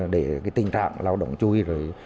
để tình trạng lao động chui